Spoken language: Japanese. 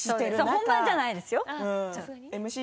本番ではないですよ。